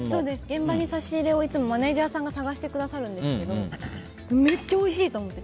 現場の差し入れをいつもマネジャーさんが探してくださるんですけどめっちゃおいしいと思って。